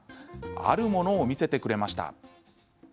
あるものを見せてくれました。